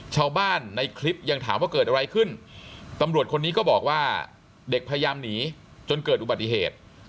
ชาวบ้านในคลิปยังถามว่าเกิดอะไรขึ้นตำรวจคนนี้ก็บอกว่าเด็กพยายามหนีจนเกิดอุบัติเหตุ